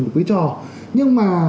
được với trò nhưng mà